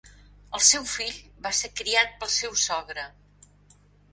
El seu fill va ser criat pel seu sogre.